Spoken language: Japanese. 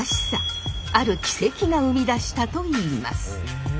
ある奇跡が生み出したといいます。